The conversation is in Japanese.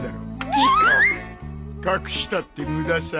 ギクッ！隠したって無駄さ。